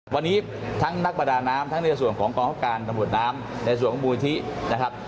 วันนี้ทั้งนักประดาน้ำทั้งในส่วนของกองคับการตำรวจน้ำในส่วนของมูลที่นะครับ